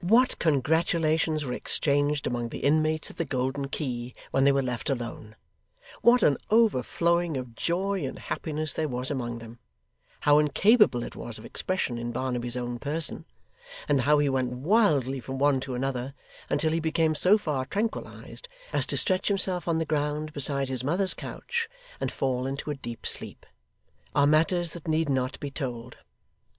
What congratulations were exchanged among the inmates at the Golden Key, when they were left alone; what an overflowing of joy and happiness there was among them; how incapable it was of expression in Barnaby's own person; and how he went wildly from one to another, until he became so far tranquillised, as to stretch himself on the ground beside his mother's couch and fall into a deep sleep; are matters that need not be told.